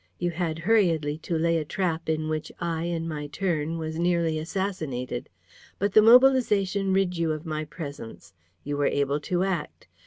You had hurriedly to lay a trap in which I, in my turn, was nearly assassinated. But the mobilization rid you of my presence. You were able to act.